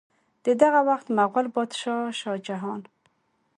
د دغه وخت مغل بادشاه شاه جهان